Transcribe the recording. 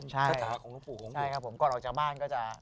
ใช่ครับก่อนออกจากบ้านก็จะ